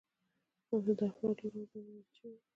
دلته د افرادو رول او دندې واضحې شوې وي.